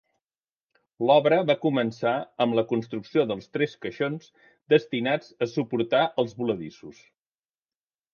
L'obra va començar amb la construcció dels tres caixons destinats a suportar els voladissos.